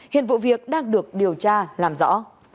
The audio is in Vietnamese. hiện vụ việc đang được điều tra làm rõ